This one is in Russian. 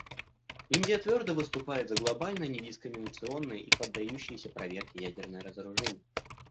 Индия твердо выступает за глобальное, недискриминационное и поддающееся проверке ядерное разоружение.